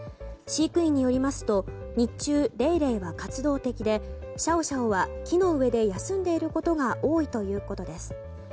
飼育員によりますと日中、レイレイは活動的でシャオシャオは木の上で休んでいることが多いということです。